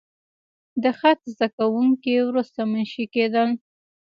د خط زده کوونکي وروسته منشي کېدل.